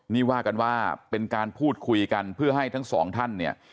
นี่ว่ากันว่าเป็นการพูดคุยกันเพื่อให้ทั้งสองท่านเนี่ย